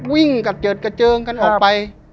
วิ่งกระเจิดกระเจิงกันออกไป